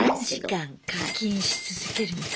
３時間課金し続けるんだ。